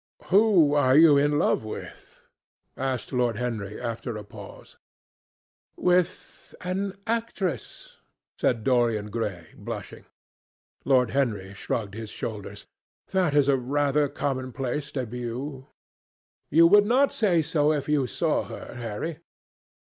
"Who are you in love with?" asked Lord Henry after a pause. "With an actress," said Dorian Gray, blushing. Lord Henry shrugged his shoulders. "That is a rather commonplace début." "You would not say so if you saw her, Harry."